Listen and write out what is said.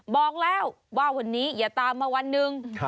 บอกแล้วว่าวันนี้อย่าตามมาวันหนึ่ง